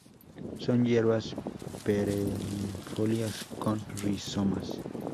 Son hierbas perennifolias con rizomas.